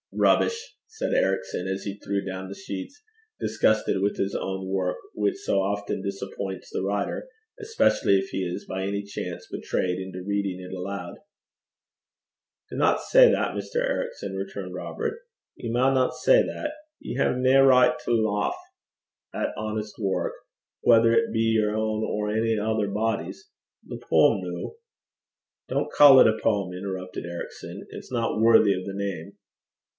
'Rubbish!' said Ericson, as he threw down the sheets, disgusted with his own work, which so often disappoints the writer, especially if he is by any chance betrayed into reading it aloud. 'Dinna say that, Mr. Ericson,' returned Robert. 'Ye maunna say that. Ye hae nae richt to lauch at honest wark, whether it be yer ain or ony ither body's. The poem noo ' 'Don't call it a poem,' interrupted Ericson. 'It's not worthy of the name.'